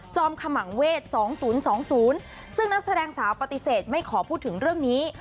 ขมังเวศ๒๐๒๐ซึ่งนักแสดงสาวปฏิเสธไม่ขอพูดถึงเรื่องนี้